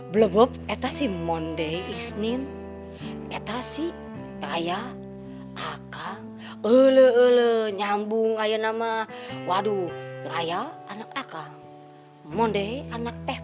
blabob etasi monde isnin etasi raya aka ule nyambung kayak nama waduh raya anak aka monde anak teh